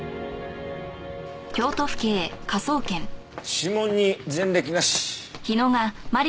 指紋に前歴なし。